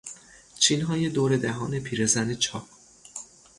چینهای دور دهان پیرزن چاق